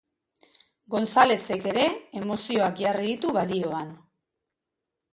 Gonzalezek ere emozioak jarri ditu balioan.